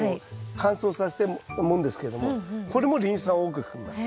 乾燥させたもんですけれどもこれもリン酸を多く含みます。